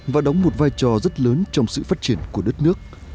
và đóng một vai trò rất lớn trong sự phát triển của đất nước